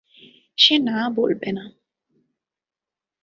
সে না বলবে না!